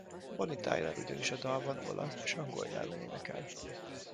Bonnie Tyler ugyanis a dalban olasz és angol nyelven énekel.